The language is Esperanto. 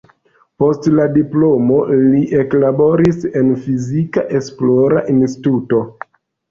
Post la diplomo li eklaboris en fizika esplora instituto.